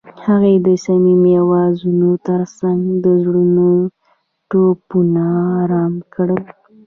هغې د صمیمي اوازونو ترڅنګ د زړونو ټپونه آرام کړل.